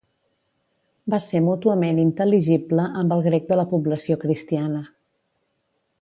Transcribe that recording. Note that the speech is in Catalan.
Va ser mútuament intel·ligible amb el grec de la població cristiana.